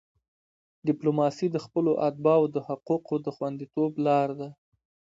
ډیپلوماسي د خپلو اتباعو د حقوقو د خوندیتوب لار ده.